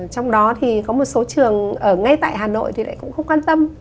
trong đó thì có một số trường ở ngay tại hà nội thì lại cũng không quan tâm